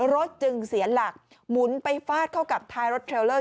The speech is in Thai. รถจึงเสียหลักหมุนไปฟาดเข้ากับท้ายรถเทรลเลอร์